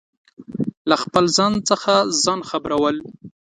له خپل ځان څخه ځان خبرو ل